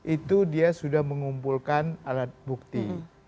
itu dia sudah mengumpulkan alat bukti